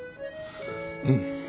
うん。